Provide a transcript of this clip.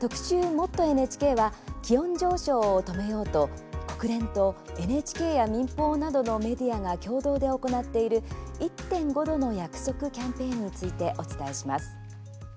「もっとＮＨＫ」は気温上昇を止めようと国連とＮＨＫや民放などのメディアが共同で行っている「１．５℃の約束」キャンペーンについて、お伝えします。